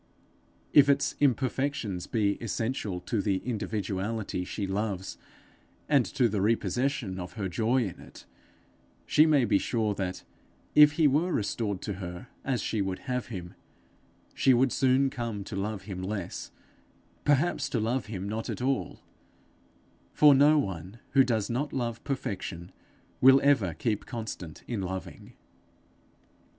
If its imperfections be essential to the individuality she loves, and to the repossession of her joy in it, she may be sure that, if he were restored to her as she would have him, she would soon come to love him less perhaps to love him not at all; for no one who does not love perfection, will ever keep constant in loving.